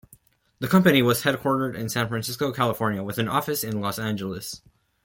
The company was headquartered in San Francisco, California, with an office in Los Angeles.